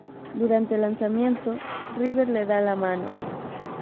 Durante el lanzamiento, River le da la mano.